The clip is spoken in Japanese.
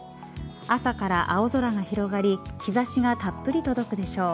朝から青空が広がり日差しがたっぷり届くでしょう。